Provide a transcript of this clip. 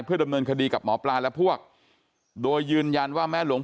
ดำเนินคดีกับหมอปลาและพวกโดยยืนยันว่าแม้หลวง